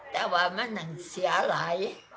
แต่ว่ามันสีอะไร